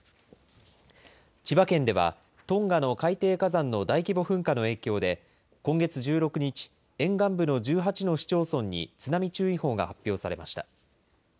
千葉県ではトンガの海底火山の大規模噴火の影響で、今月１６日、沿岸部の１８の市町村に津波注意報が発表されました。